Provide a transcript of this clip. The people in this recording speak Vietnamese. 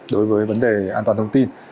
đối với vấn đề an toàn thông tin